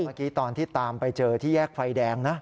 เมื่อกี้ตอนที่ตามไปเจอที่แยกไฟแดงนะ